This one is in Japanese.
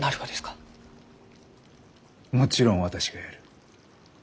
もちろん私がやる。